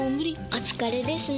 お疲れですね。